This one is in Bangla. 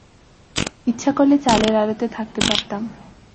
ইচ্ছা করলে চালের আড়তে থাকতে পারতাম।